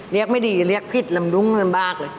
เรียกไม่ดีเรียกผิดลำรุ้งลำบากเลย